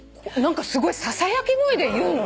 すごいささやき声で言うのね。